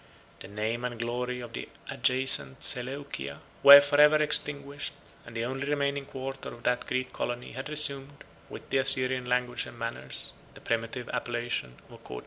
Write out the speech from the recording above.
The name and glory of the adjacent Seleucia were forever extinguished; and the only remaining quarter of that Greek colony had resumed, with the Assyrian language and manners, the primitive appellation of Coche.